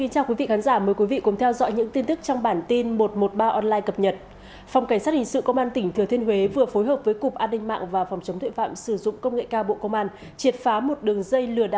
hãy đăng ký kênh để ủng hộ kênh của chúng mình nhé